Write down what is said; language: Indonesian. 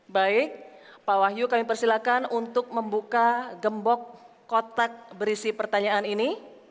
baik pak wahyu kami persilakan untuk membuka gembok kotak berisi pertanyaan ini